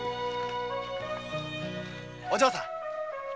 お嬢さん。